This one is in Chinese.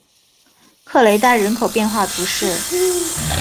克雷丹人口变化图示